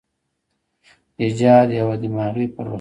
ایجاد یوه دماغي پروسه ده.